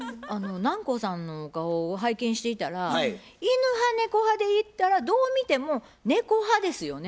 南光さんのお顔を拝見していたら犬派猫派でいったらどう見ても猫派ですよね。